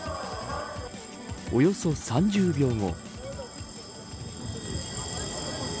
およそ３０秒後。